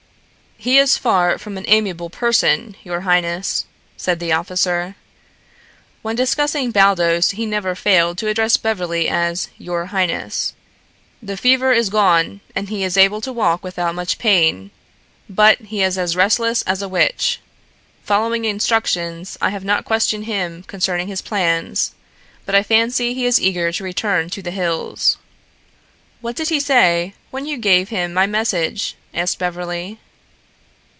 "He is far from an amiable person, your highness," said the officer. When discussing Baldos he never failed to address Beverly as "your highness." "The fever is gone and he is able to walk without much pain, but he is as restless as a witch. Following instructions, I have not questioned him concerning his plans, but I fancy he is eager to return to the hills." "What did he say when you gave him my message?" asked Beverly.